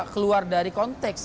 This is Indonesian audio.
keluar dari konteks